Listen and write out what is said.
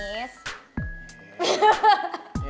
gak ada gulanya